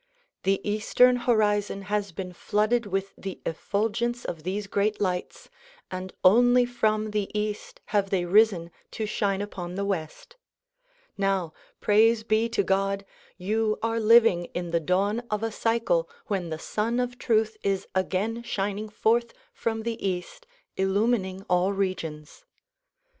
The eastern horizon has been flooded with the efit'ulgence of these great lights and only from the east have they risen to shine upon the west. Now, Praise be to God! you are living in the dawn of a cycle when the Sun of Truth is again shining forth from the east illumining all regions.